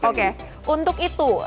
oke untuk itu